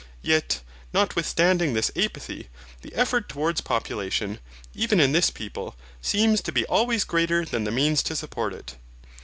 Yet, notwithstanding this apathy, the effort towards population, even in this people, seems to be always greater than the means to support it.